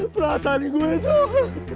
perasaan gue dok